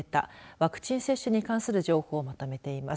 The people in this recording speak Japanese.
ワクチン接種に関する情報をまとめています。